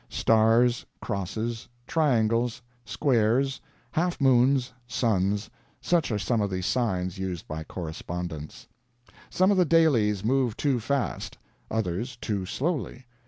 Stars, crosses, triangles, squares, half moons, suns such are some of the signs used by correspondents. Some of the dailies move too fast, others too slowly.